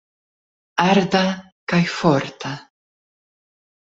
Arda kaj forta.